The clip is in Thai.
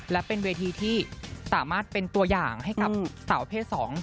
และเป็นเวทีที่สามารถเป็นตัวอย่างให้กับสาวเพศ๒